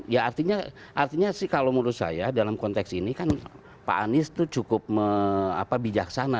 ya artinya sih kalau menurut saya dalam konteks ini kan pak anies itu cukup bijaksana